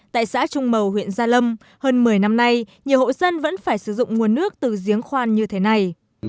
tại xã trung mầu huyện gia lâm hơn một mươi năm nay nhiều hộ dân vẫn phải sử dụng nguồn nước từ giếng khoan như thế này